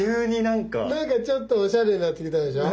なんかちょっとおしゃれになってきたでしょ。